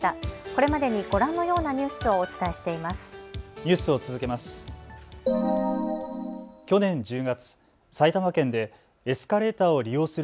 これまでにご覧のようなニュースをお伝えしています。